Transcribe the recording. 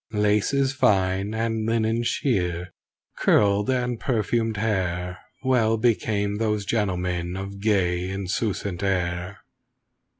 (Laces fine and linen sheer, curled and perfumed hair Well became those gentlemen of gay, insouciant air.)